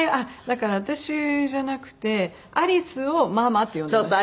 だから私じゃなくてアリスを「ママ」って呼んでました。